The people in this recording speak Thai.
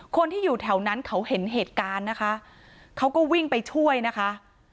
คนที่อยู่แถวนั้นเขาเห็นเหตุการณ์นะคะเขาก็วิ่งไปช่วยนะคะ